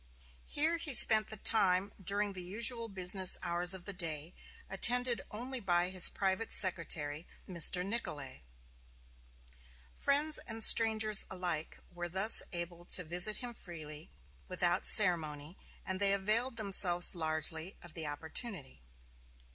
Here he spent the time during the usual business hours of the day, attended only by his private secretary, Mr. Nicolay. Friends and strangers alike were thus able to visit him freely and without ceremony and they availed themselves largely of the opportunity.